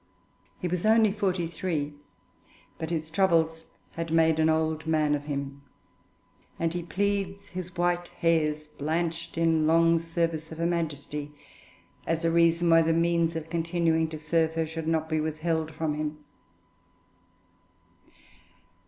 He was only forty three, but his troubles had made an old man of him, and he pleads his white hairs, blanched in long service of her Majesty, as a reason why the means of continuing to serve her should not be withheld from him.